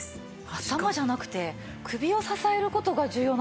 頭じゃなくて首を支える事が重要なんですね。